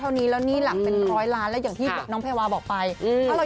ตอนนี้ไม่มีหนี้แล้วนะคะทุกคนบอกไว้ก่อนเดี๋ยวทุกคนจะแบบ